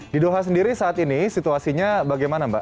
di doha sendiri saat ini situasinya bagaimana mbak